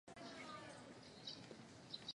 任内建台湾府儒学宫。